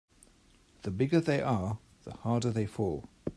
The bigger they are the harder they fall.